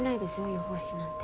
予報士なんて。